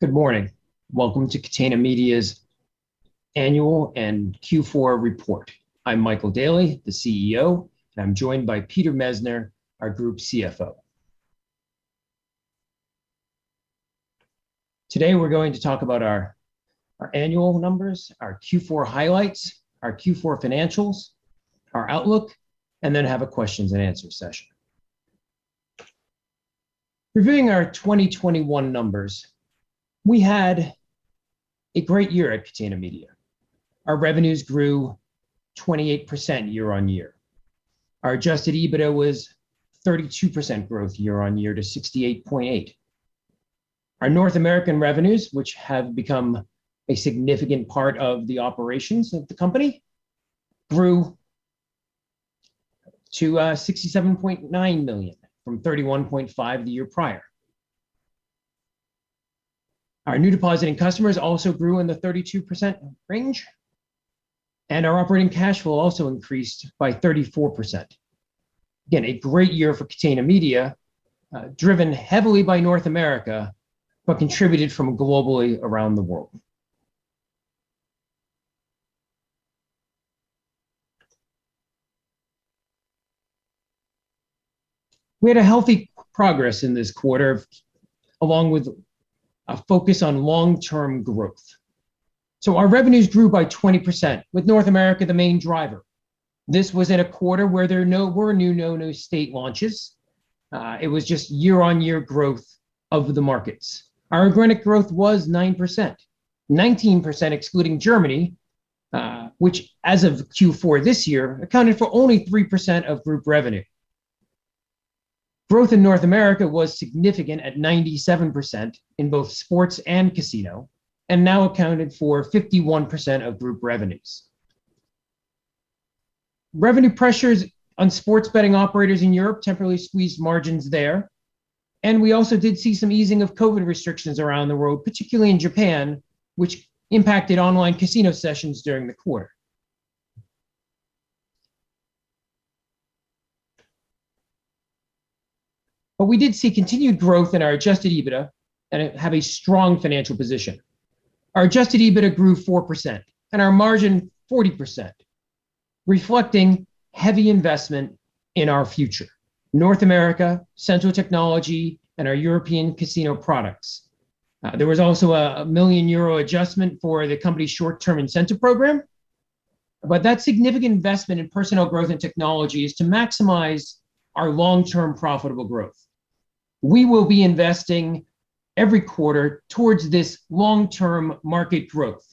Good morning. Welcome to Catena Media's annual and Q4 report. I'm Michael Daly, the CEO, and I'm joined by Peter Messner, our group CFO. Today we're going to talk about our annual numbers, our Q4 highlights, our Q4 financials, our outlook, and then have a question-and-answer session. Reviewing our 2021 numbers, we had a great year at Catena Media. Our revenues grew 28% year-over-year. Our adjusted EBITDA was 32% growth year-over-year to 68.8 million. Our North American revenues, which have become a significant part of the operations of the company, grew to 67.9 million from 31.5 million the year prior. Our new depositing customers also grew in the 32% range, and our operating cash flow also increased by 34%. Again, a great year for Catena Media, driven heavily by North America, but contributed from globally around the world. We had a healthy progress in this quarter, along with a focus on long-term growth. Our revenues grew by 20%, with North America the main driver. This was a quarter where there were no new state launches. It was just year-on-year growth of the markets. Our organic growth was 9%, 19% excluding Germany, which as of Q4 this year accounted for only 3% of group revenue. Growth in North America was significant at 97% in both sports and casino, and now accounted for 51% of group revenues. Revenue pressures on sports betting operators in Europe temporarily squeezed margins there, and we also did see some easing of COVID restrictions around the world, particularly in Japan, which impacted online casino sessions during the quarter. We did see continued growth in our adjusted EBITDA and we have a strong financial position. Our adjusted EBITDA grew 4% and our margin 40%, reflecting heavy investment in our future, North America, Central Technology, and our European casino products. There was also a 1 million euro adjustment for the company's short-term incentive program, but that significant investment in personnel growth and technology is to maximize our long-term profitable growth. We will be investing every quarter towards this long-term market growth.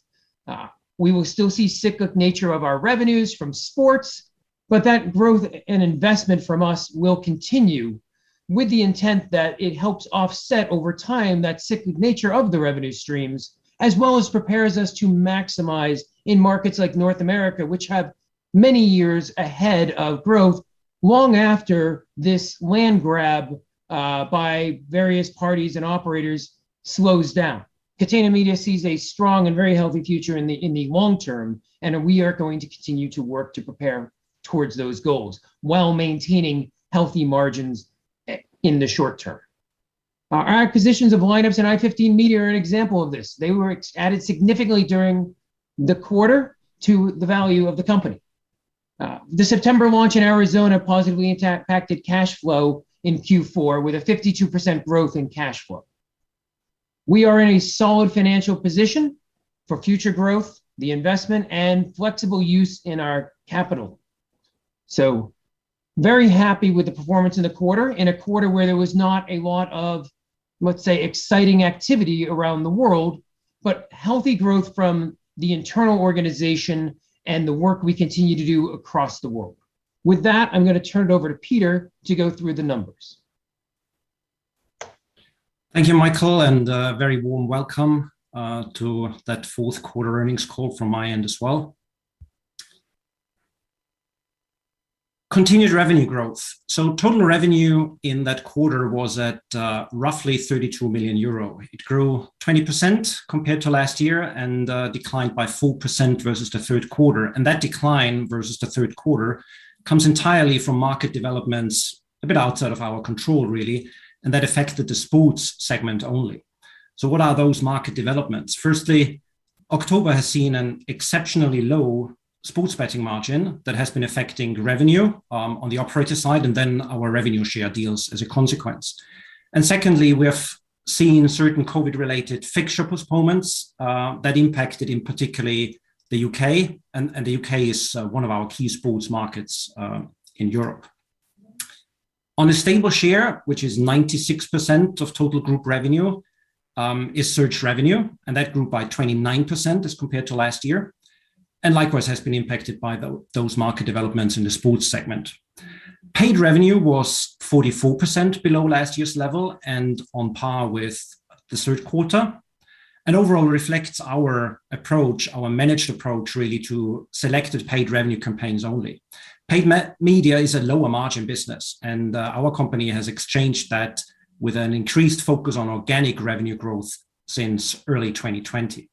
We will still see cyclical nature of our revenues from sports, but that growth and investment from us will continue with the intent that it helps offset over time that cyclical nature of the revenue streams, as well as prepares us to maximize in markets like North America, which have many years ahead of growth long after this land grab by various parties and operators slows down. Catena Media sees a strong and very healthy future in the long term, and we are going to continue to work to prepare towards those goals while maintaining healthy margins in the short term. Our acquisitions of Lineups and i15 Media are an example of this. They were added significantly during the quarter to the value of the company. The September launch in Arizona positively impacted cash flow in Q4 with a 52% growth in cash flow. We are in a solid financial position for future growth, the investment, and flexible use in our capital. Very happy with the performance in the quarter, in a quarter where there was not a lot of, let's say, exciting activity around the world, but healthy growth from the internal organization and the work we continue to do across the world. With that, I'm gonna turn it over to Peter to go through the numbers. Thank you, Michael, and very warm welcome to that fourth quarter earnings call from my end as well. Continued revenue growth. Total revenue in that quarter was at roughly 32 million euro. It grew 20% compared to last year and declined by 4% versus the third quarter. That decline versus the third quarter comes entirely from market developments a bit outside of our control really, and that affected the sports segment only. What are those market developments? Firstly, October has seen an exceptionally low sports betting margin that has been affecting revenue on the operator side, and then our revenue share deals as a consequence. Secondly, we have seen certain COVID-related fixture postponements that impacted, in particular, the U.K., and the U.K. is one of our key sports markets in Europe. On a stable share, which is 96% of total group revenue, is search revenue, and that grew by 29% as compared to last year, and likewise has been impacted by those market developments in the sports segment. Paid revenue was 44% below last year's level and on par with the third quarter, and overall reflects our approach, our managed approach really to selected paid revenue campaigns only. Paid media is a lower margin business, and our company has exchanged that with an increased focus on organic revenue growth since early 2020.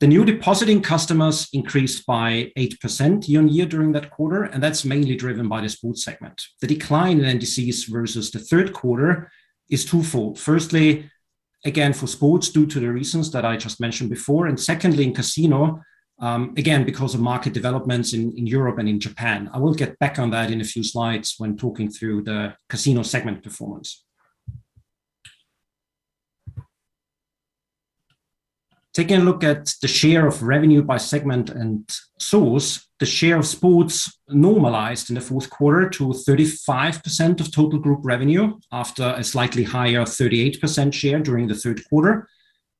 The new depositing customers increased by 8% year-on-year during that quarter, and that's mainly driven by the sports segment. The decline in NDCs versus the third quarter is twofold. Firstly, again, for sports, due to the reasons that I just mentioned before, and secondly, in casino, again, because of market developments in Europe and in Japan. I will get back on that in a few slides when talking through the casino segment performance. Taking a look at the share of revenue by segment and source, the share of sports normalized in the fourth quarter to 35% of total group revenue after a slightly higher 38% share during the third quarter,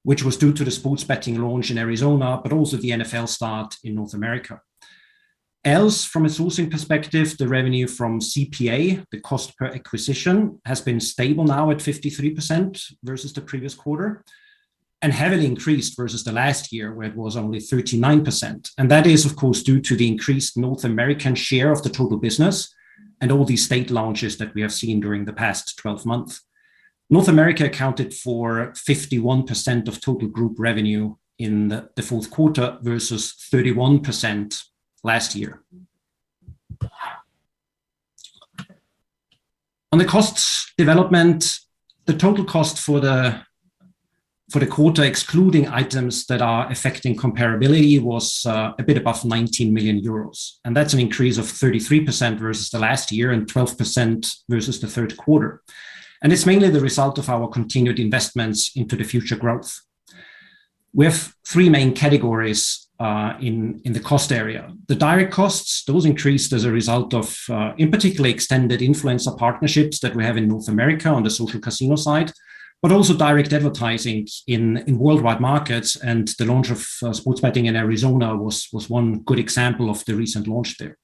which was due to the sports betting launch in Arizona, but also the NFL start in North America. Else, from a sourcing perspective, the revenue from CPA, the cost per acquisition, has been stable now at 53% versus the previous quarter, and heavily increased versus the last year, where it was only 39%. That is, of course, due to the increased North American share of the total business and all the state launches that we have seen during the past 12 months. North America accounted for 51% of total group revenue in the fourth quarter versus 31% last year. On the costs development, the total cost for the quarter, excluding items that are affecting comparability, was a bit above 19 million euros, and that's an increase of 33% versus the last year and 12% versus the third quarter. It's mainly the result of our continued investments into the future growth. We have three main categories in the cost area. The direct costs, those increased as a result of, in particular extended influencer partnerships that we have in North America on the Social Casino side, but also direct advertising in worldwide markets and the launch of, sports betting in Arizona was one good example of the recent launch there.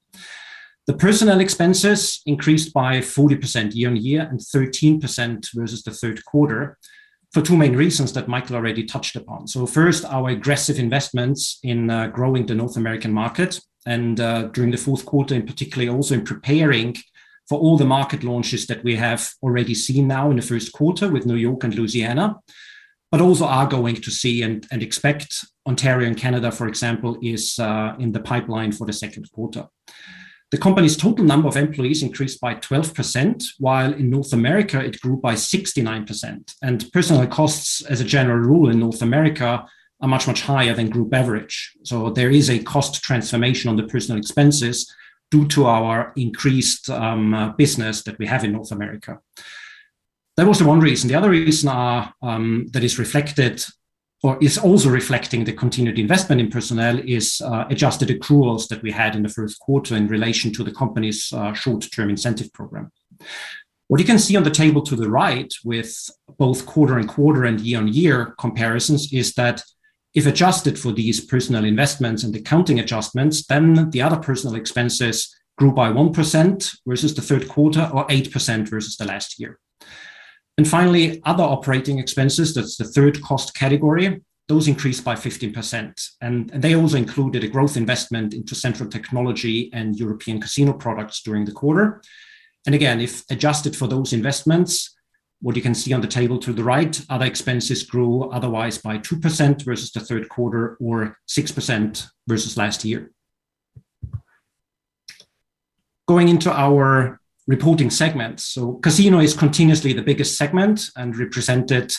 The personnel expenses increased by 40% year-on-year and 13% versus the third quarter for two main reasons that Michael already touched upon. First, our aggressive investments in growing the North American market and during the fourth quarter in particular also in preparing for all the market launches that we have already seen now in the first quarter with New York and Louisiana, but also are going to see and expect Ontario and Canada, for example, is in the pipeline for the second quarter. The company's total number of employees increased by 12%, while in North America, it grew by 69%. Personnel costs, as a general rule in North America, are much, much higher than group average. There is a cost transformation on the personnel expenses due to our increased business that we have in North America. That was the one reason. The other reason that is reflected or is also reflecting the continued investment in personnel is adjusted accruals that we had in the first quarter in relation to the company's short-term incentive program. What you can see on the table to the right with both quarter-over-quarter and year-on-year comparisons is that if adjusted for these personnel investments and accounting adjustments, then the other personnel expenses grew by 1% versus the third quarter or 8% versus the last year. Finally, other operating expenses, that's the third cost category, those increased by 15%. They also included a growth investment into Central Technology and European casino products during the quarter. Again, if adjusted for those investments, what you can see on the table to the right, other expenses grew otherwise by 2% versus the third quarter or 6% versus last year. Going into our reporting segments. Casino is continuously the biggest segment and represented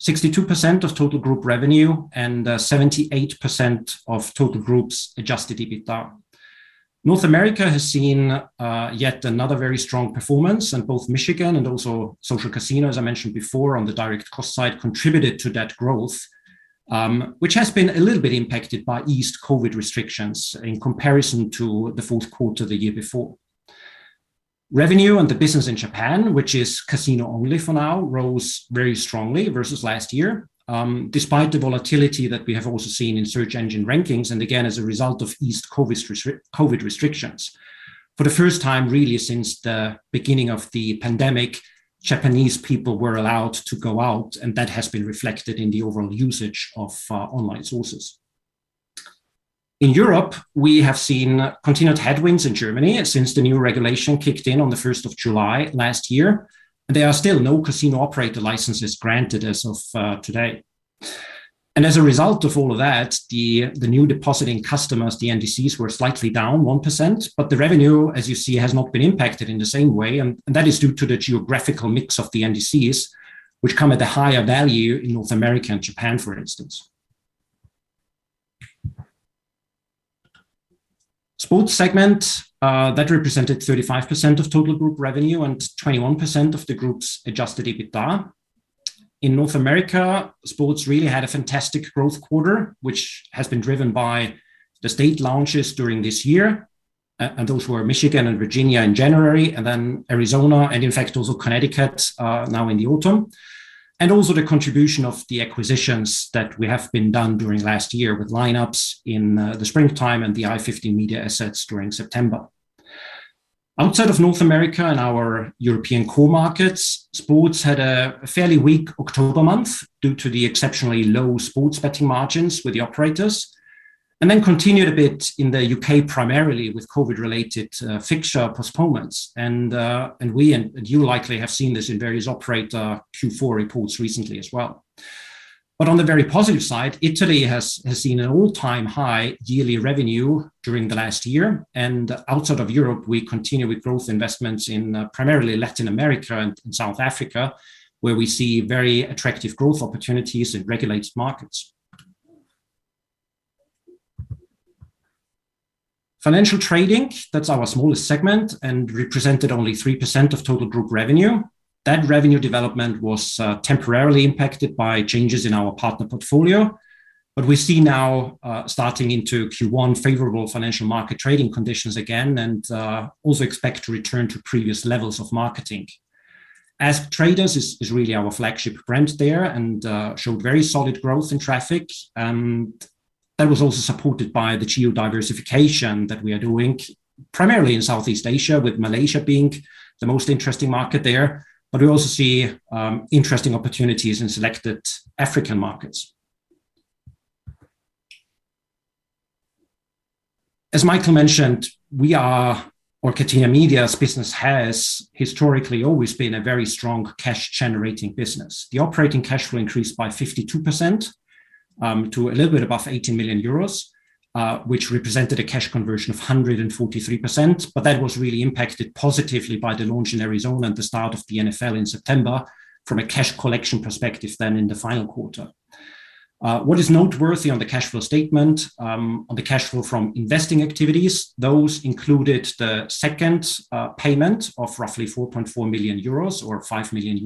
62% of total group revenue and 78% of total group's adjusted EBITDA. North America has seen yet another very strong performance in both Michigan and also Social Casino, as I mentioned before on the direct cost side contributed to that growth, which has been a little bit impacted by eased COVID restrictions in comparison to the fourth quarter the year before. Revenue and the business in Japan, which is casino only for now, rose very strongly versus last year, despite the volatility that we have also seen in search engine rankings and again, as a result of eased COVID restrictions. For the first time, really, since the beginning of the pandemic, Japanese people were allowed to go out, and that has been reflected in the overall usage of online sources. In Europe, we have seen continued headwinds in Germany since the new regulation kicked in on July 1st last year. There are still no casino operator licenses granted as of today. As a result of all of that, the new depositing customers, the NDCs, were slightly down 1%, but the revenue, as you see, has not been impacted in the same way, and that is due to the geographical mix of the NDCs which come at a higher value in North America and Japan, for instance. Sports segment, that represented 35% of total group revenue and 21% of the group's adjusted EBITDA. In North America, sports really had a fantastic growth quarter, which has been driven by the state launches during this year, and those were Michigan and Virginia in January, and then Arizona and in fact, also Connecticut, now in the autumn. Also the contribution of the acquisitions that we have done during last year with Lineups in the springtime and the i15 Media assets during September. Outside of North America and our European core markets, sports had a fairly weak October month due to the exceptionally low sports betting margins with the operators. It continued a bit in the U.K. primarily with COVID-related fixture postponements. You likely have seen this in various operator Q4 reports recently as well. On the very positive side, Italy has seen an all-time high yearly revenue during the last year. Outside of Europe, we continue with growth investments in primarily Latin America and in South Africa, where we see very attractive growth opportunities in regulated markets. Financial trading, that's our smallest segment and represented only 3% of total group revenue. That revenue development was temporarily impacted by changes in our partner portfolio. We see now starting into Q1 favorable financial market trading conditions again and also expect to return to previous levels of marketing. AskTraders is really our flagship brand there and showed very solid growth in traffic. That was also supported by the geo-diversification that we are doing primarily in Southeast Asia, with Malaysia being the most interesting market there. We also see interesting opportunities in selected African markets. As Michael mentioned, or Catena Media's business has historically always been a very strong cash-generating business. The operating cash flow increased by 52% to a little bit above 80 million euros, which represented a cash conversion of 143%. That was really impacted positively by the launch in Arizona and the start of the NFL in September from a cash collection perspective, then in the final quarter. What is noteworthy on the cash flow statement, on the cash flow from investing activities, those included the second payment of roughly 4.4 million euros or $5 million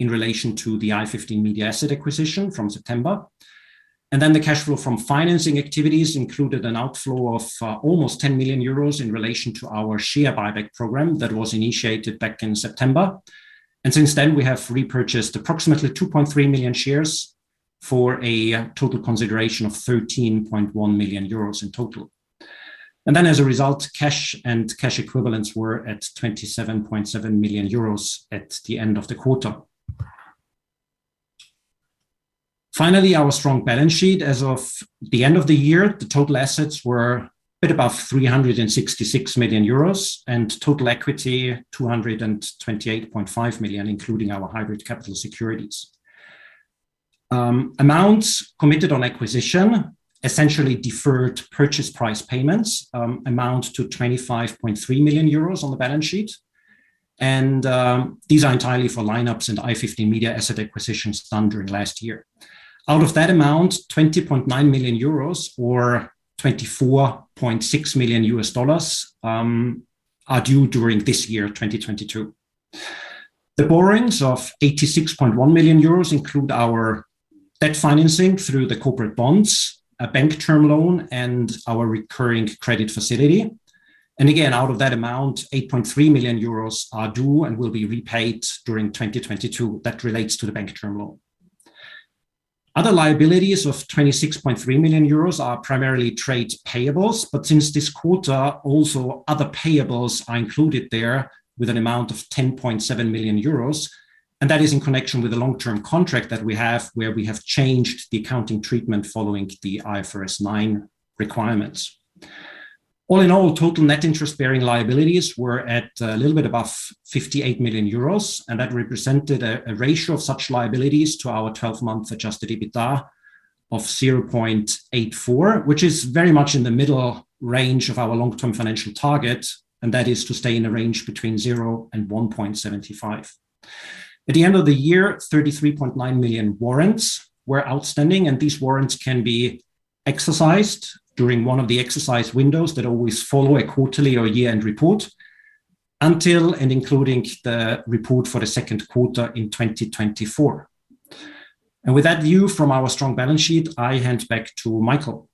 in relation to the i15 Media asset acquisition from September. The cash flow from financing activities included an outflow of almost 10 million euros in relation to our share buyback program that was initiated back in September. Since then, we have repurchased approximately 2.3 million shares for a total consideration of 13.1 million euros in total. As a result, cash and cash equivalents were at 27.7 million euros at the end of the quarter. Finally, our strong balance sheet. As of the end of the year, the total assets were a bit above 366 million euros, and total equity 228.5 million, including our hybrid capital securities. Amounts committed on acquisition, essentially deferred purchase price payments, amount to 25.3 million euros on the balance sheet. These are entirely for Lineups and i15 Media asset acquisitions done during last year. Out of that amount, 20.9 million euros or $24.6 million are due during this year, 2022. The borrowings of 86.1 million euros include our debt financing through the corporate bonds, a bank term loan, and our revolving credit facility. Out of that amount, 8.3 million euros are due and will be repaid during 2022. That relates to the bank term loan. Other liabilities of 26.3 million euros are primarily trade payables, but since this quarter, also other payables are included there with an amount of 10.7 million euros, and that is in connection with a long-term contract that we have where we have changed the accounting treatment following the IFRS 9 requirements. All in all, total net interest-bearing liabilities were at a little bit above 58 million euros, and that represented a ratio of such liabilities to our 12-month adjusted EBITDA of 0.84, which is very much in the middle range of our long-term financial target, and that is to stay in a range between 0 and 1.75. At the end of the year, 33.9 million warrants were outstanding, and these warrants can be exercised during one of the exercise windows that always follow a quarterly or a year-end report until and including the report for the second quarter in 2024. With that view from our strong balance sheet, I hand back to Michael.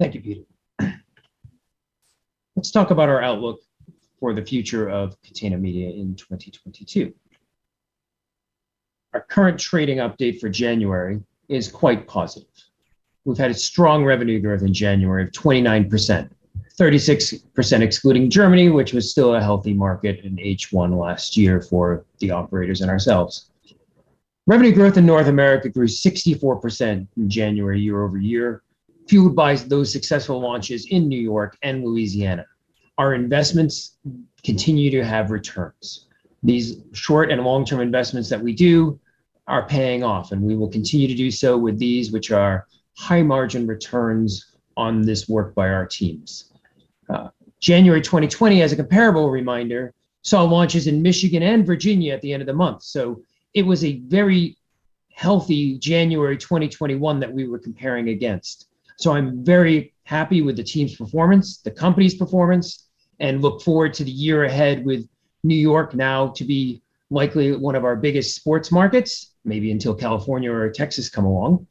Thank you, Peter. Let's talk about our outlook for the future of Catena Media in 2022. Our current trading update for January is quite positive. We've had a strong revenue growth in January of 29%, 36% excluding Germany, which was still a healthy market in H1 last year for the operators and ourselves. Revenue growth in North America grew 64% in January year-over-year, fueled by those successful launches in New York and Louisiana. Our investments continue to have returns. These short and long-term investments that we do are paying off, and we will continue to do so with these, which are high margin returns on this work by our teams. January 2020, as a comparable reminder, saw launches in Michigan and Virginia at the end of the month. It was a very healthy January 2021 that we were comparing against. I'm very happy with the team's performance, the company's performance, and look forward to the year ahead with New York now to be likely one of our biggest sports markets, maybe until California or Texas come along.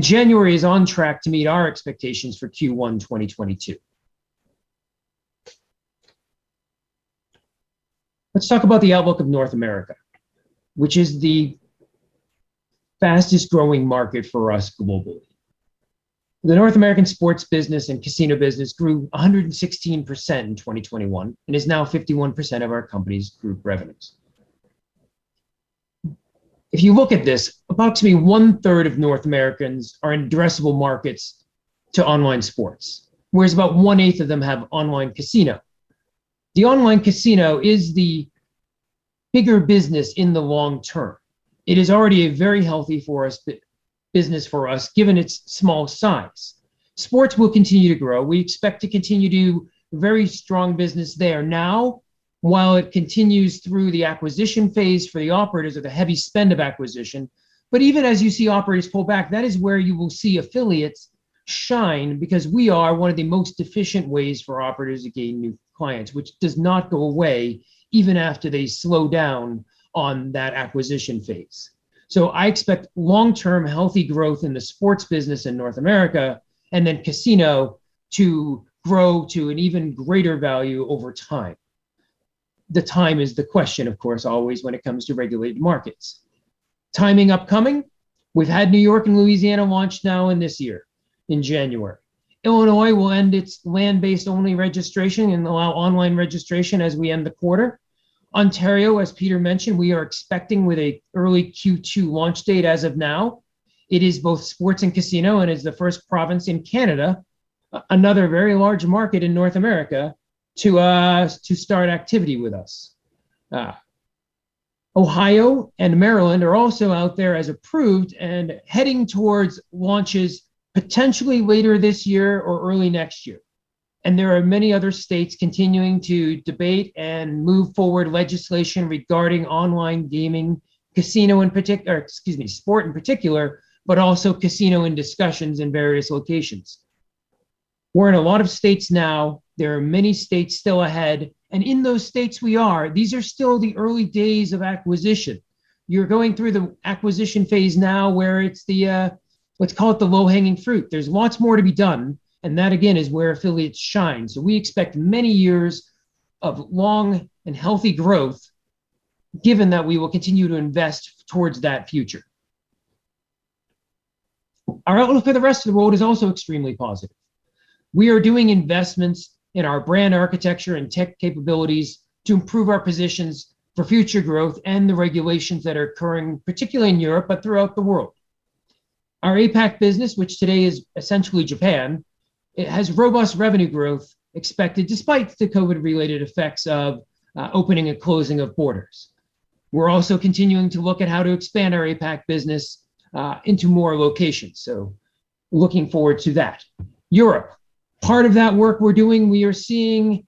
January is on track to meet our expectations for Q1 2022. Let's talk about the outlook of North America, which is the fastest growing market for us globally. The North American sports business and casino business grew 116% in 2021 and is now 51% of our company's group revenues. If you look at this, approximately 1/3 of North Americans are in addressable markets to online sports, whereas about 1/8 of them have online casino. The online casino is the bigger business in the long term. It is already a very healthy business for us, given its small size. Sports will continue to grow. We expect to continue to very strong business there. Now, while it continues through the acquisition phase for the operators of the heavy spend of acquisition, but even as you see operators pull back, that is where you will see affiliates shine because we are one of the most efficient ways for operators to gain new clients, which does not go away even after they slow down on that acquisition phase. I expect long-term healthy growth in the sports business in North America and then casino to grow to an even greater value over time. The time is the question, of course, always when it comes to regulated markets. Timing upcoming, we've had New York and Louisiana launch now in this year in January. Illinois will end its land-based only registration and allow online registration as we end the quarter. Ontario, as Peter mentioned, we are expecting with an early Q2 launch date as of now. It is both sports and casino and is the first province in Canada, another very large market in North America, to start activity with us. Ohio and Maryland are also out there as approved and heading towards launches potentially later this year or early next year. There are many other states continuing to debate and move forward legislation regarding online gaming, sport in particular, but also casino in discussions in various locations. We're in a lot of states now. There are many states still ahead, and in those states we are, these are still the early days of acquisition. You're going through the acquisition phase now where it's the, let's call it the low-hanging fruit. There's lots more to be done, and that again is where affiliates shine. We expect many years of long and healthy growth given that we will continue to invest towards that future. Our outlook for the rest of the world is also extremely positive. We are doing investments in our brand architecture and tech capabilities to improve our positions for future growth and the regulations that are occurring, particularly in Europe, but throughout the world. Our APAC business, which today is essentially Japan, it has robust revenue growth expected despite the COVID-related effects of opening and closing of borders. We're also continuing to look at how to expand our APAC business into more locations, so looking forward to that. Europe, part of that work we're doing, we are seeing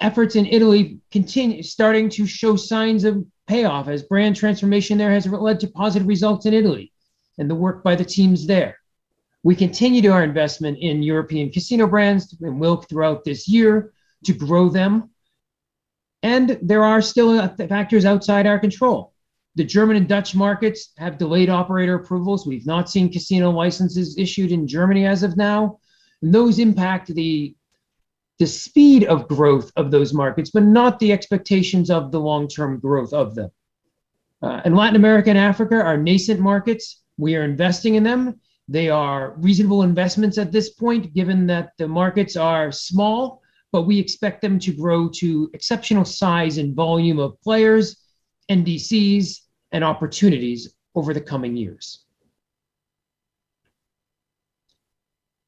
efforts in Italy continue starting to show signs of payoff as brand transformation there has led to positive results in Italy and the work by the teams there. We continue to our investment in European casino brands and will throughout this year to grow them, and there are still factors outside our control. The German and Dutch markets have delayed operator approvals. We've not seen casino licenses issued in Germany as of now. Those impact the speed of growth of those markets, but not the expectations of the long-term growth of them. Latin America and Africa are nascent markets. We are investing in them. They are reasonable investments at this point, given that the markets are small, but we expect them to grow to exceptional size and volume of players, NDCs, and opportunities over the coming years.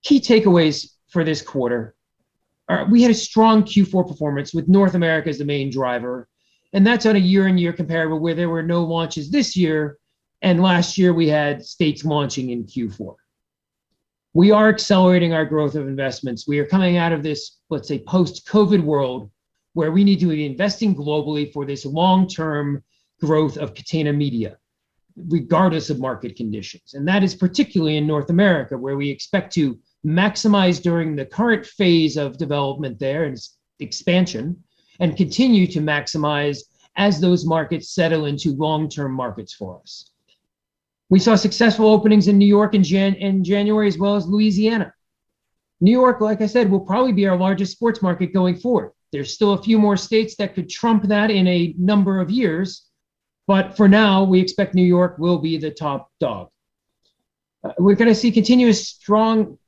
Key takeaways for this quarter are we had a strong Q4 performance with North America as the main driver, and that's on a year-on-year comparable where there were no launches this year and last year we had states launching in Q4. We are accelerating our growth of investments. We are coming out of this, let's say, post-COVID world where we need to be investing globally for this long-term growth of Catena Media, regardless of market conditions. That is particularly in North America, where we expect to maximize during the current phase of development there and its expansion and continue to maximize as those markets settle into long-term markets for us. We saw successful openings in New York in January as well as Louisiana. New York, like I said, will probably be our largest sports market going forward. There's still a few more states that could trump that in a number of years, but for now, we expect New York will be the top dog. We're gonna see continuous strong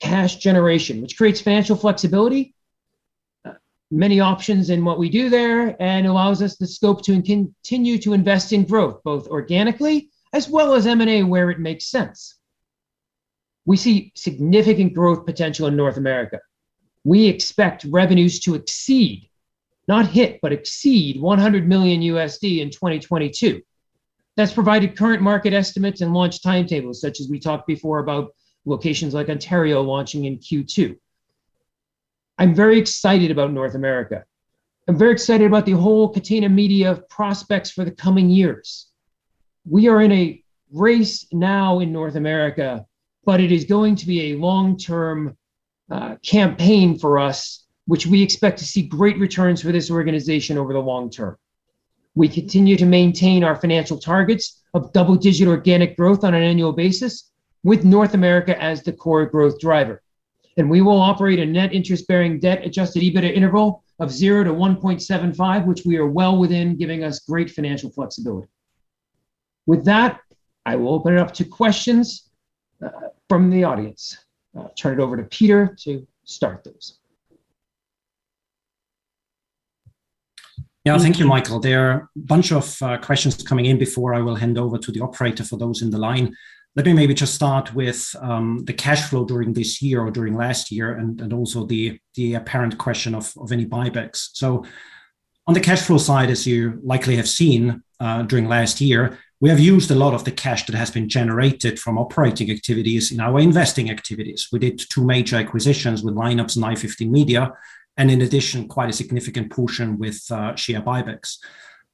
cash generation, which creates financial flexibility, many options in what we do there, and allows us the scope to continue to invest in growth, both organically as well as M&A where it makes sense. We see significant growth potential in North America. We expect revenues to exceed, not hit, but exceed $100 million in 2022. That's provided current market estimates and launch timetables, such as we talked before about locations like Ontario launching in Q2. I'm very excited about North America. I'm very excited about the whole Catena Media prospects for the coming years. We are in a race now in North America, but it is going to be a long-term campaign for us, which we expect to see great returns for this organization over the long term. We continue to maintain our financial targets of double-digit organic growth on an annual basis with North America as the core growth driver. We will operate a net interest-bearing debt-adjusted EBITDA interval of 0-1.75, which we are well within, giving us great financial flexibility. With that, I will open it up to questions from the audience. I'll turn it over to Peter to start this. Thank you, Michael. There are a bunch of questions coming in before I will hand over to the operator for those in the line. Let me maybe just start with the cash flow during this year or during last year and also the apparent question of any buybacks. On the cash flow side, as you likely have seen, during last year, we have used a lot of the cash that has been generated from operating activities in our investing activities. We did two major acquisitions with Lineups and i15 Media, and in addition, quite a significant portion with share buybacks.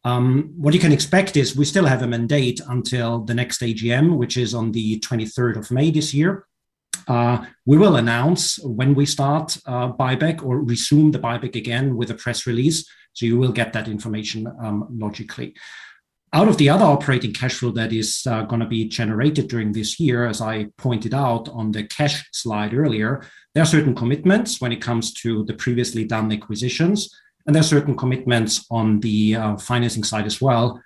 What you can expect is we still have a mandate until the next AGM, which is on May 23rd this year. We will announce when we start buyback or resume the buyback again with a press release, so you will get that information logically. Out of the other operating cash flow that is gonna be generated during this year, as I pointed out on the cash slide earlier, there are certain commitments when it comes to the previously done acquisitions, and there are certain commitments on the financing side as well,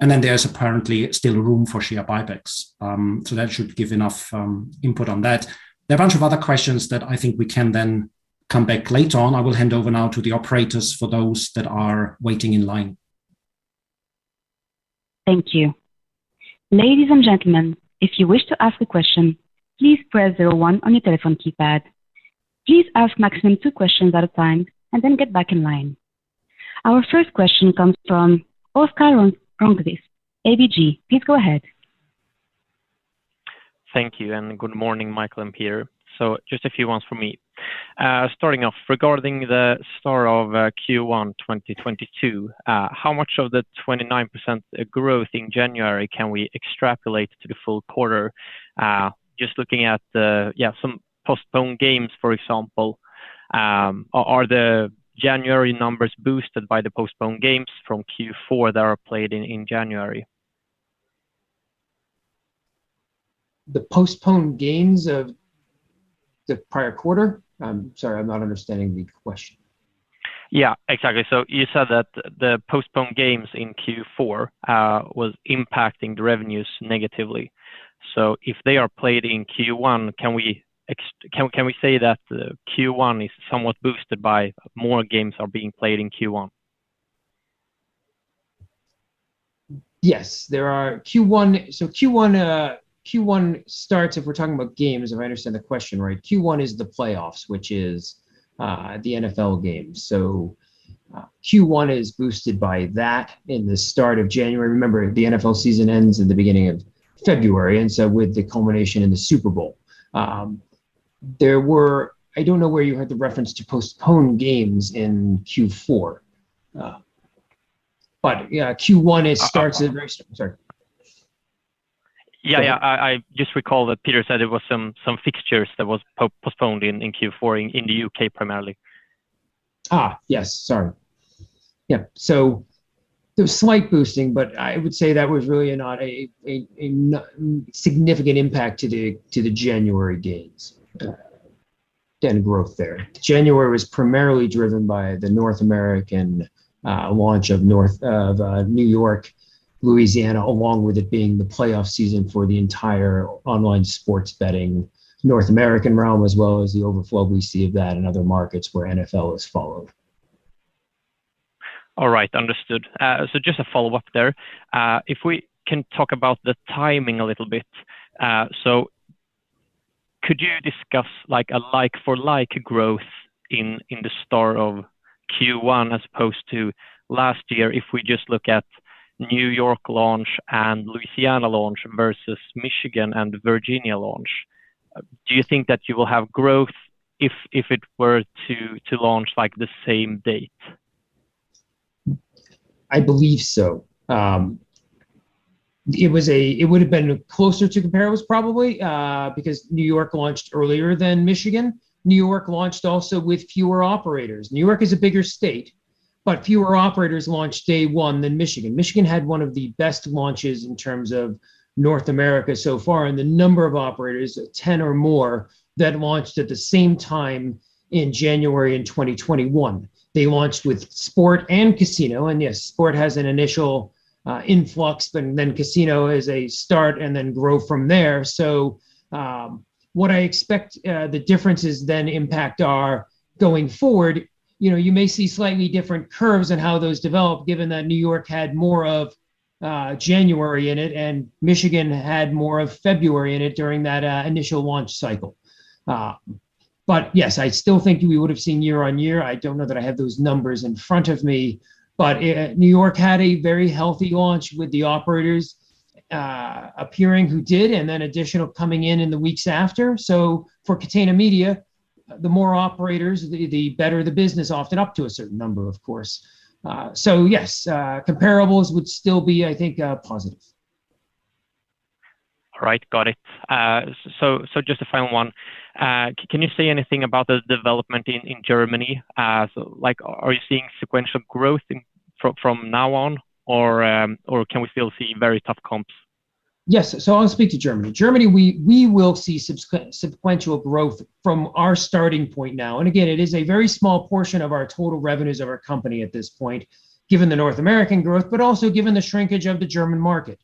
and then there's apparently still room for share buybacks. That should give enough input on that. There are a bunch of other questions that I think we can then come back later on. I will hand over now to the operators for those that are waiting in line. Thank you. Ladies and gentlemen, if you wish to ask a question, please press zero one on your telephone keypad. Please ask maximum two questions at a time and then get back in line. Our first question comes from Oscar Rönnkvist, ABG. Please go ahead. Thank you, and good morning, Michael and Peter. Just a few questions from me. Starting off, regarding the start of Q1 2022, how much of the 29% growth in January can we extrapolate to the full quarter? Just looking at the yeah, some postponed games, for example, are the January numbers boosted by the postponed games from Q4 that are played in January? The postponed games of the prior quarter? I'm sorry, I'm not understanding the question. Yeah, exactly. You said that the postponed games in Q4 was impacting the revenues negatively. If they are played in Q1, can we say that Q1 is somewhat boosted by more games are being played in Q1? Yes. Q1 starts, if we're talking about games, if I understand the question right, Q1 is the playoffs, which is the NFL games. Q1 is boosted by that in the start of January. Remember, the NFL season ends in the beginning of February, and so with the culmination in the Super Bowl. I don't know where you had the reference to postponed games in Q4. Yeah, Q1, it starts at- I- Sorry. Yeah. I just recall that Peter said there was some fixtures that was postponed in Q4 in the U.K. primarily. Yes, sorry. Yeah. There was slight boosting, but I would say that was really not a significant impact to the January gains. Growth there. January was primarily driven by the North American launch of New York, Louisiana, along with it being the playoff season for the entire online sports betting North American realm, as well as the overflow we see of that in other markets where NFL is followed. All right, understood. Just a follow-up there. If we can talk about the timing a little bit. Could you discuss like-for-like growth in the start of Q1 as opposed to last year if we just look at New York launch and Louisiana launch versus Michigan and the Virginia launch? Do you think that you will have growth if it were to launch like the same date? I believe so. It would have been closer to comparables probably, because New York launched earlier than Michigan. New York also launched with fewer operators. New York is a bigger state, but fewer operators launched day one than Michigan. Michigan had one of the best launches in terms of North America so far, and the number of operators, 10 or more, that launched at the same time in January 2021. They launched with sport and casino, and yes, sport has an initial influx, but then casino is a start and then grow from there. What I expect, the differences then impact are going forward, you know, you may see slightly different curves in how those develop given that New York had more of January in it and Michigan had more of February in it during that initial launch cycle. Yes, I still think we would have seen year-on-year. I don't know that I have those numbers in front of me. New York had a very healthy launch with the operators appearing who did, and then additional coming in in the weeks after. For Catena Media, the more operators, the better the business, often up to a certain number, of course. Yes, comparables would still be, I think, positive. All right. Got it. Just a final one. Can you say anything about the development in Germany? Like, are you seeing sequential growth from now on or can we still see very tough comps? Yes. I'll speak to Germany. Germany, we will see sequential growth from our starting point now. Again, it is a very small portion of our total revenues of our company at this point given the North American growth, but also given the shrinkage of the German market.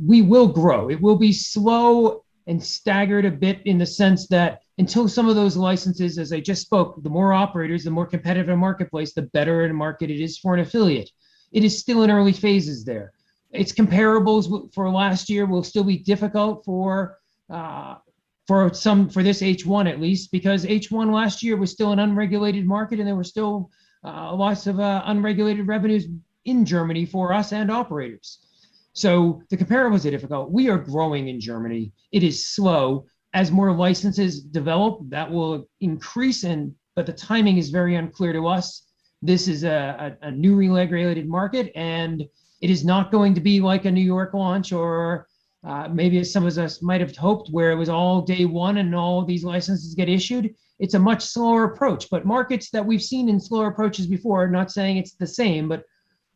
We will grow. It will be slow and staggered a bit in the sense that until some of those licenses, as I just spoke, the more operators, the more competitive a marketplace, the better a market it is for an affiliate. It is still in early phases there. Its comparables for last year will still be difficult for some for this H1 at least, because H1 last year was still an unregulated market, and there were still lots of unregulated revenues in Germany for us and operators. The comparables are difficult. We are growing in Germany. It is slow. As more licenses develop, that will increase. The timing is very unclear to us. This is a newly regulated market, and it is not going to be like a New York launch or maybe as some of us might have hoped, where it was all day one and all these licenses get issued. It's a much slower approach. Markets that we've seen in slower approaches before, not saying it's the same, but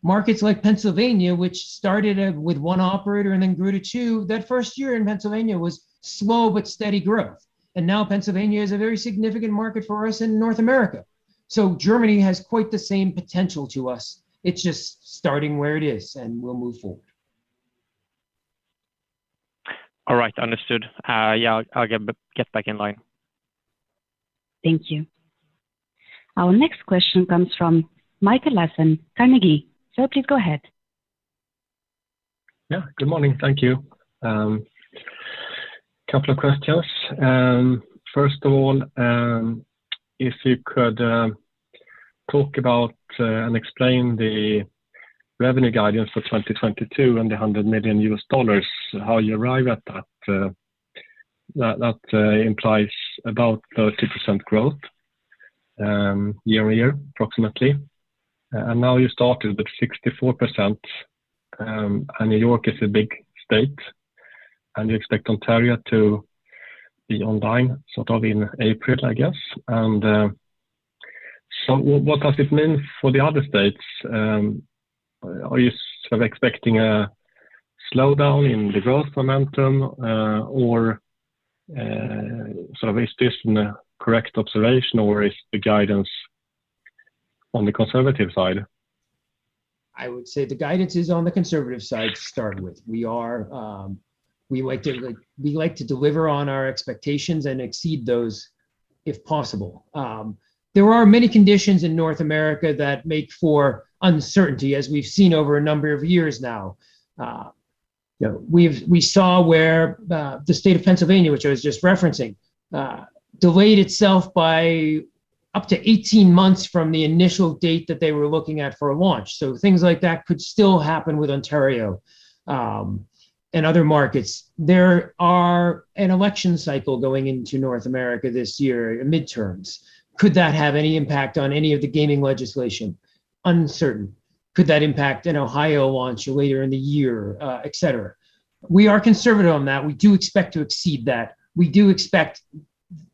markets like Pennsylvania, which started with one operator and then grew to two, that first year in Pennsylvania was slow but steady growth. Now Pennsylvania is a very significant market for us in North America. Germany has quite the same potential to us. It's just starting where it is, and we'll move forward. All right. Understood. Yeah, I'll get back in line. Thank you. Our next question comes from Mikael Laséen, Carnegie. Sir, please go ahead. Yeah. Good morning. Thank you. Couple of questions. First of all, if you could talk about and explain the revenue guidance for 2022 and the $100 million, how you arrive at that? That implies about 30% growth year-over-year, approximately. Now you started with 64%, and New York is a big state, and you expect Ontario to be online sort of in April, I guess. What does it mean for the other states? Are you sort of expecting a slowdown in the growth momentum, or sort of is this the correct observation, or is the guidance on the conservative side? I would say the guidance is on the conservative side to start with. We like to deliver on our expectations and exceed those if possible. There are many conditions in North America that make for uncertainty as we've seen over a number of years now. You know, we saw where the State of Pennsylvania, which I was just referencing, delayed itself by up to 18 months from the initial date that they were looking at for a launch. Things like that could still happen with Ontario and other markets. There are an election cycle going into North America this year, midterms. Could that have any impact on any of the gaming legislation? Uncertain. Could that impact an Ohio launch later in the year, etc? We are conservative on that. We do expect to exceed that. We do expect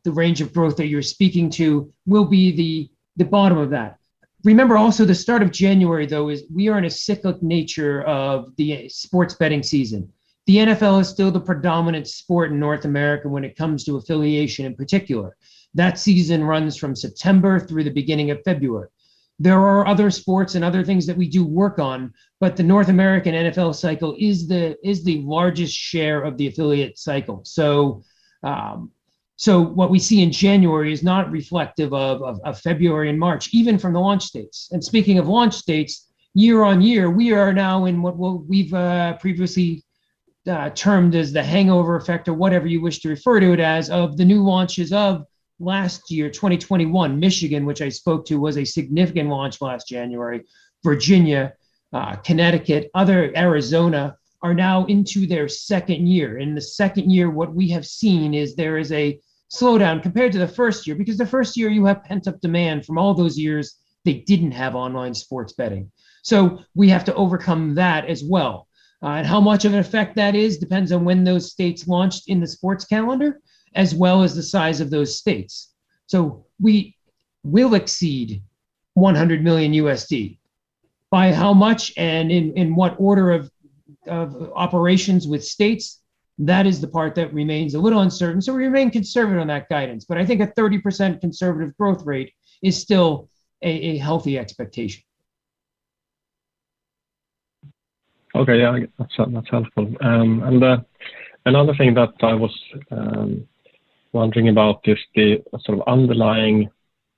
the range of growth that you're speaking to will be the bottom of that. Remember also the start of January, though, is we are in a cyclical nature of the sports betting season. The NFL is still the predominant sport in North America when it comes to affiliation in particular. That season runs from September through the beginning of February. There are other sports and other things that we do work on, but the North American NFL cycle is the largest share of the affiliate cycle. What we see in January is not reflective of February and March, even from the launch dates. Speaking of launch dates, year-on-year, we are now in what, well, we've previously termed as the hangover effect or whatever you wish to refer to it as of the new launches of last year, 2021. Michigan, which I spoke to, was a significant launch last January. Virginia, Connecticut, others, Arizona are now into their second year. In the second year, what we have seen is there is a slowdown compared to the first year because the first year you have pent-up demand from all those years they didn't have online sports betting. We have to overcome that as well. And how much of an effect that is depends on when those states launched in the sports calendar as well as the size of those states. We will exceed $100 million. By how much and in what order of operations with states, that is the part that remains a little uncertain, so we remain conservative on that guidance. I think a 30% conservative growth rate is still a healthy expectation. Okay. Yeah, that's helpful. Another thing that I was wondering about is the sort of underlying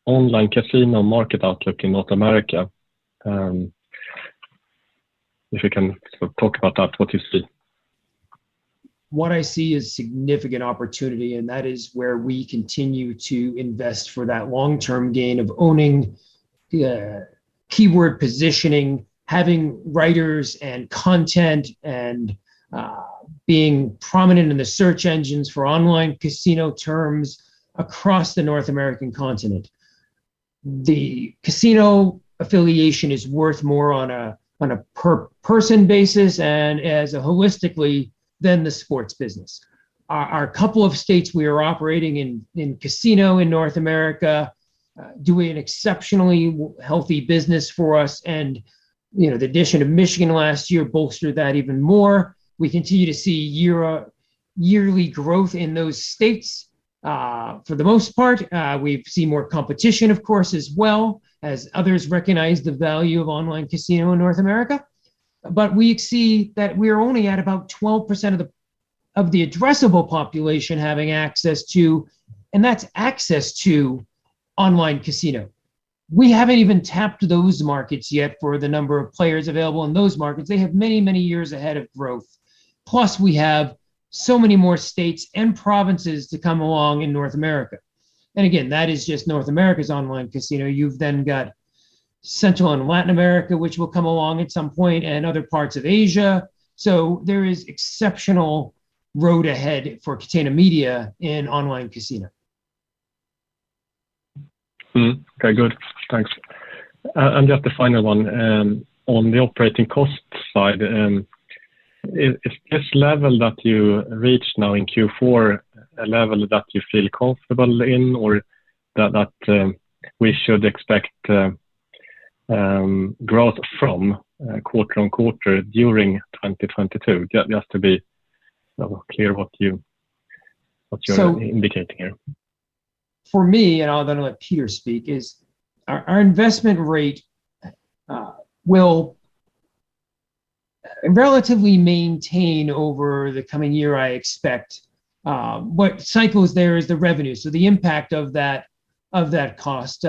online casino market outlook in North America. If you can talk about that, what you see? What I see is significant opportunity, and that is where we continue to invest for that long-term gain of owning the keyword positioning, having writers and content, and being prominent in the search engines for online casino terms across the North American continent. The casino affiliation is worth more on a per person basis and as a whole than the sports business. Our couple of states we are operating in casino in North America, doing an exceptionally healthy business for us and, you know, the addition of Michigan last year bolstered that even more. We continue to see yearly growth in those states. For the most part, we've seen more competition of course as well as others recognize the value of online casino in North America. We see that we're only at about 12% of the addressable population having access to online casino. That's access to online casino. We haven't even tapped those markets yet for the number of players available in those markets. They have many, many years ahead of growth. Plus, we have so many more states and provinces to come along in North America. Again, that is just North America's online casino. You've then got Central and Latin America, which will come along at some point, and other parts of Asia. There is exceptional road ahead for Catena Media in online casino. Okay, good. Thanks. Just a final one. On the operating cost side, is this level that you reached now in Q4 a level that you feel comfortable in or that we should expect growth from quarter-on-quarter during 2022? Just to be clear what you're indicating here. For me, and I'll then let Peter speak, is our investment rate will relatively maintain over the coming year, I expect. What cycles there are in the revenue. The impact of that cost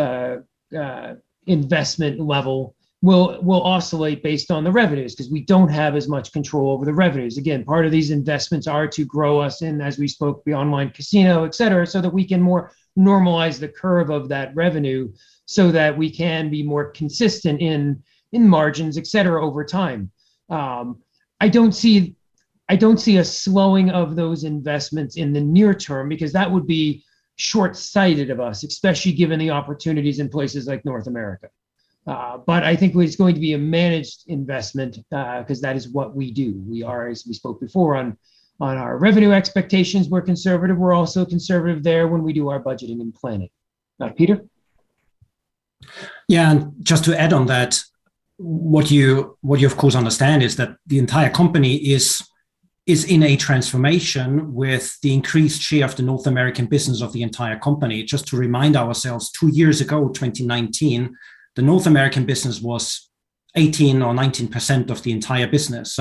investment level will oscillate based on the revenues because we don't have as much control over the revenues. Again, part of these investments are to grow us in, as we spoke, the online casino, etc, so that we can more normalize the curve of that revenue so that we can be more consistent in margins, etc, over time. I don't see a slowing of those investments in the near term because that would be shortsighted of us, especially given the opportunities in places like North America. I think it's going to be a managed investment, 'cause that is what we do. We are, as we spoke before, on our revenue expectations, we're conservative. We're also conservative there when we do our budgeting and planning. Now, Peter? Yeah. Just to add on that, what you of course understand is that the entire company is in a transformation with the increased share of the North American business of the entire company. Just to remind ourselves, two years ago, 2019, the North American business was 18% or 19% of the entire business.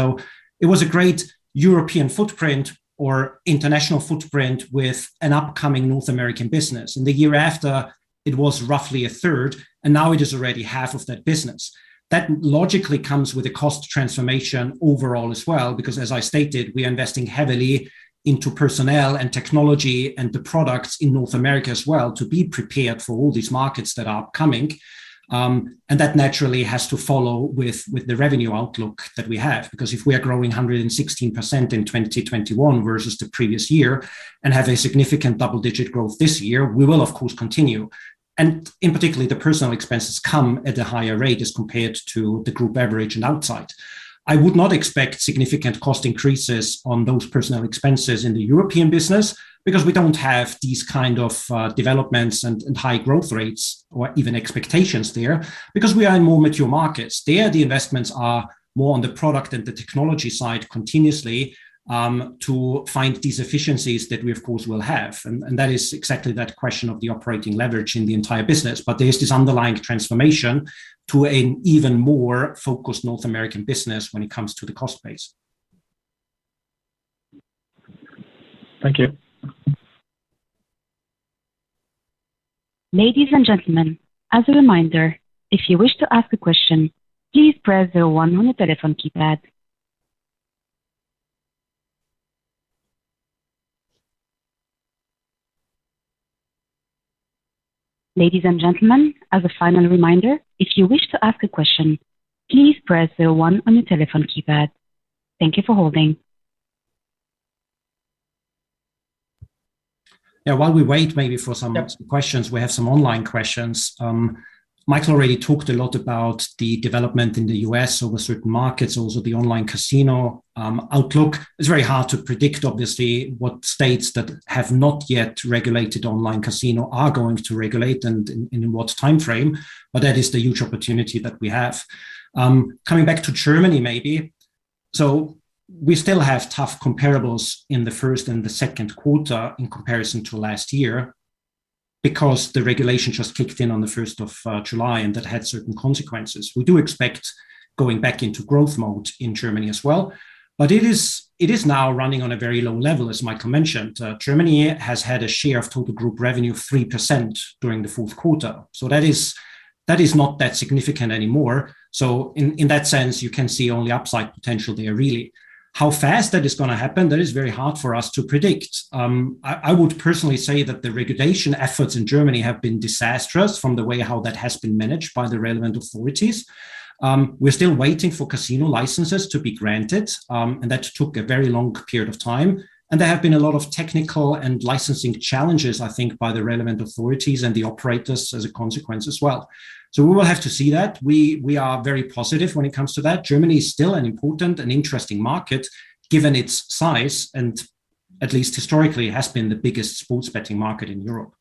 It was a great European footprint or international footprint with an upcoming North American business. The year after, it was roughly 1/3, and now it is already half of that business. That logically comes with a cost transformation overall as well because, as I stated, we are investing heavily into personnel and technology and the products in North America as well to be prepared for all these markets that are coming. That naturally has to follow with the revenue outlook that we have. Because if we are growing 116% in 2021 versus the previous year and have a significant double-digit growth this year, we will of course continue. In particular, the personal expenses come at a higher rate as compared to the group average and outside. I would not expect significant cost increases on those personal expenses in the European business because we don't have these kind of developments and high growth rates or even expectations there because we are in more mature markets. There, the investments are more on the product and the technology side continuously to find these efficiencies that we of course will have. That is exactly that question of the operating leverage in the entire business. There's this underlying transformation to an even more focused North American business when it comes to the cost base. Thank you. Ladies and gentlemen, as a reminder, if you wish to ask a question, please press the one on your telephone keypad. Ladies and gentlemen, as a final reminder, if you wish to ask a question, please press the one on your telephone keypad. Thank you for holding. Yeah. While we wait maybe for some questions, we have some online questions. Michael already talked a lot about the development in the U.S. over certain markets, also the online casino outlook. It's very hard to predict obviously what states that have not yet regulated online casino are going to regulate and in what timeframe. That is the huge opportunity that we have. Coming back to Germany maybe. We still have tough comparables in the first and the second quarter in comparison to last year because the regulation just kicked in on July 1st, and that had certain consequences. We do expect going back into growth mode in Germany as well. It is now running on a very low level, as Michael mentioned. Germany has had a share of total group revenue of 3% during the fourth quarter. That is not that significant anymore. In that sense, you can see only upside potential there really. How fast that is gonna happen, that is very hard for us to predict. I would personally say that the regulation efforts in Germany have been disastrous from the way how that has been managed by the relevant authorities. We're still waiting for casino licenses to be granted, and that took a very long period of time. There have been a lot of technical and licensing challenges, I think, by the relevant authorities and the operators as a consequence as well. We will have to see that. We are very positive when it comes to that. Germany is still an important and interesting market given its size. At least historically, it has been the biggest sports betting market in Europe.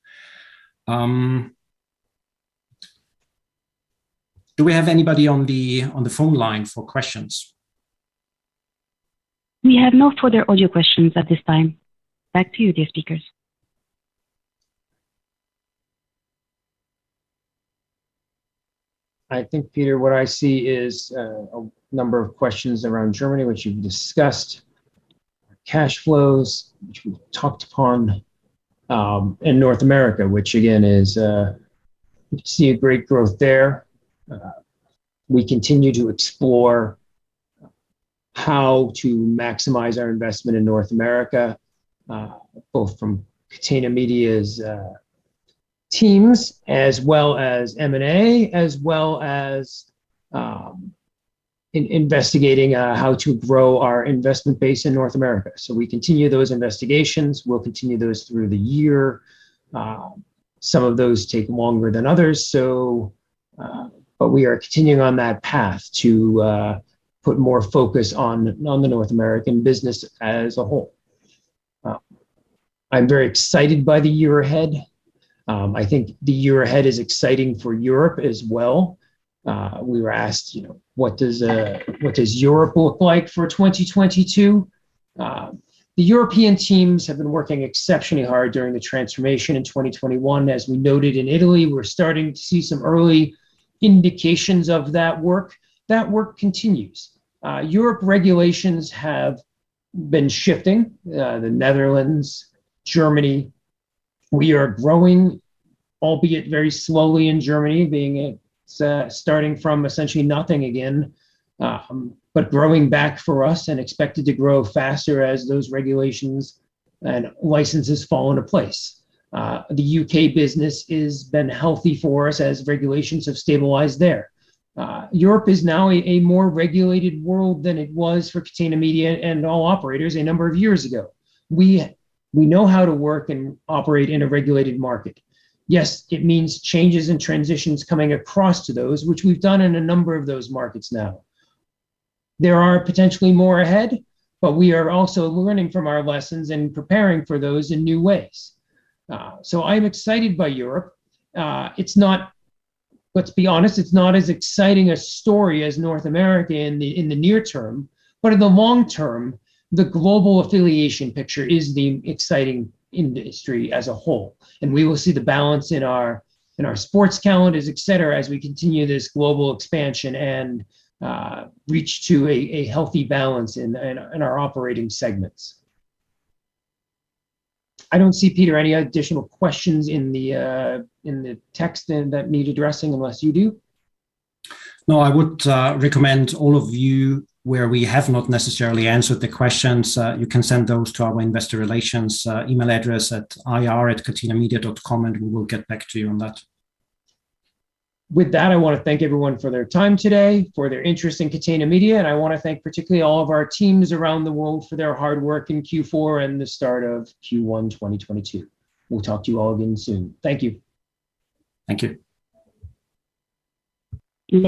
Do we have anybody on the phone line for questions? We have no further audio questions at this time. Back to you, dear speakers. I think, Peter, what I see is a number of questions around Germany, which you've discussed, cash flows, which we've touched upon, in North America, which again is we see a great growth there. We continue to explore how to maximize our investment in North America, both from Catena Media's teams, as well as M&A, as well as in investigating how to grow our investment base in North America. We continue those investigations. We'll continue those through the year. Some of those take longer than others, so we are continuing on that path to put more focus on the North American business as a whole. I'm very excited by the year ahead. I think the year ahead is exciting for Europe as well. We were asked, you know, what does Europe look like for 2022? The European teams have been working exceptionally hard during the transformation in 2021. As we noted in Italy, we're starting to see some early indications of that work. That work continues. European regulations have been shifting, the Netherlands, Germany. We are growing, albeit very slowly in Germany, starting from essentially nothing again, but growing back for us and expected to grow faster as those regulations and licenses fall into place. The U.K. business has been healthy for us as regulations have stabilized there. Europe is now a more regulated world than it was for Catena Media and all operators a number of years ago. We know how to work and operate in a regulated market. Yes, it means changes and transitions coming across to those, which we've done in a number of those markets now. There are potentially more ahead, but we are also learning from our lessons and preparing for those in new ways. I'm excited by Europe. It's not—let's be honest, it's not as exciting a story as North America in the near term. In the long term, the global affiliation picture is the exciting industry as a whole, and we will see the balance in our sports calendars, etc., as we continue this global expansion and reach to a healthy balance in our operating segments. I don't see, Peter, any additional questions in the text that need addressing unless you do. No, I would recommend all of you, where we have not necessarily answered the questions, you can send those to our investor relations email address at ir@catenamedia.com, and we will get back to you on that. With that, I wanna thank everyone for their time today, for their interest in Catena Media, and I wanna thank particularly all of our teams around the world for their hard work in Q4 and the start of Q1 2022. We'll talk to you all again soon. Thank you. Thank you.